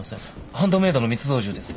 ハンドメイドの密造銃です。